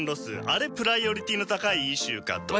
あれプライオリティーの高いイシューかと。